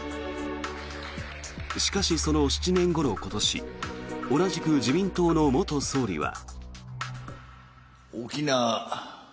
しかし、その７年後の今年同じく自民党の元総理は。